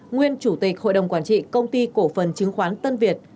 nguyên chủ tịch hội đồng quản trị công ty cổ phần chứng khoán tân việt